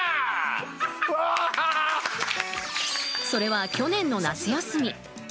それは去年の夏休み。